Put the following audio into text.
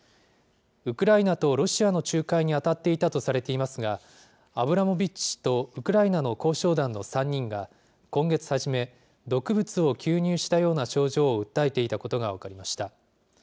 ウクライナとロシアの仲介に当たっていたとされていますが、アブラモビッチ氏とウクライナの交渉団の３人が、今月初め、毒物を吸入したような症状を訴えていたことが分かりました。